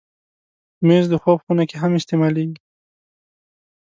مېز د خوب خونه کې هم استعمالېږي.